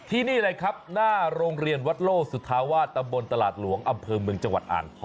ที่นี่เลยครับหน้าโรงเรียนวัดโลสุทาวา